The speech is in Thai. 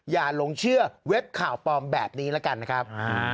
หลงเชื่อเว็บข่าวปลอมแบบนี้แล้วกันนะครับ